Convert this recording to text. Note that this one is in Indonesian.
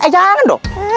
eh jangan dong